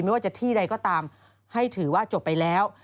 ไม่ว่าจะที่ใดก็ตามให้ถือว่าจบไปแล้ว